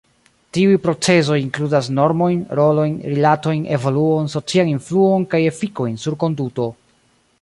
Tiuj procezoj inkludas normojn, rolojn, rilatojn, evoluon, socian influon kaj efikojn sur konduto.